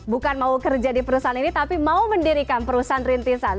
bukan mau kerja di perusahaan ini tapi mau mendirikan perusahaan rintisan